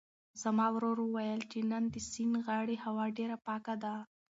زما ورور وویل چې نن د سیند د غاړې هوا ډېره پاکه ده.